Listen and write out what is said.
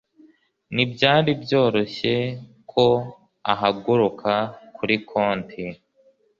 ntibyari byoroshye ko ahaguruka kuri konti